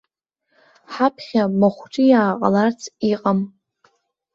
Ҳаԥхьа махәҿиаа ҟаларц иҟам.